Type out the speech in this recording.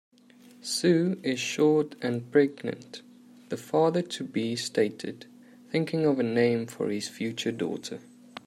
"Sue is short and pregnant", the father-to-be stated, thinking of a name for his future daughter.